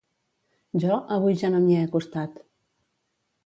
Jo, avui ja no m'hi he acostat